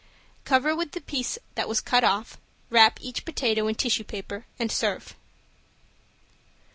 Cover with the piece that was cut off, wrap each potato in tissue paper and serve.